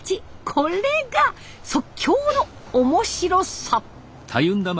これが即興の面白さ。